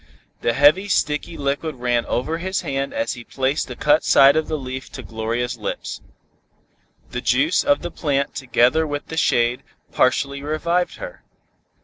The heavy sticky liquid ran over his hand as he placed the cut side of the leaf to Gloria's lips. The juice of the plant together with the shade, partially revived her.